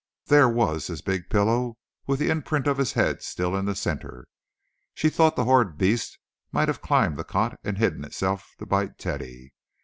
There was his big pillow with the imprint of his head still in the centre. She thought the horrid beast might have climbed the cot and hidden itself to bite Teddy.